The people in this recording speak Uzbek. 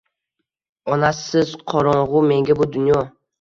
Onasiz qorongu menga bu dunyo